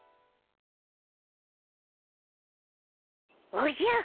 おじゃっ。